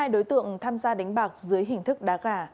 hai mươi hai đối tượng tham gia đánh bạc dưới hình thức đá gà